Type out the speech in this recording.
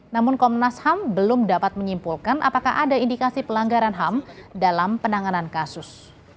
namun komnas ham belum dapat menyimpulkan apakah ada indikasi pelanggaran ham dalam penanganan kasus